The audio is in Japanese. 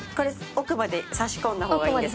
奥まで差しこんだ方がいいです。